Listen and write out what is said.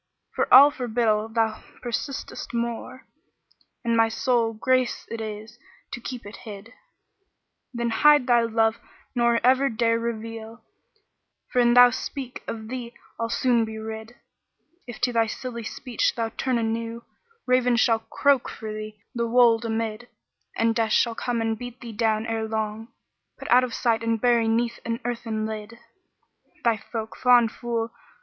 For all forbiddal thou persistest more, * And my sole grace it is to keep it hid; Then hide thy love nor ever dare reveal, * For an thou speak, of thee I'll soon be rid If to thy silly speech thou turn anew, * Ravens shall croak for thee the wold amid: And Death shall come and beat thee down ere long, * Put out of sight and bury 'neath an earthen lid: Thy folk, fond fool!